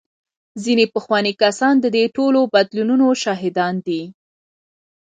ځینې پخواني کسان د دې ټولو بدلونونو شاهدان دي.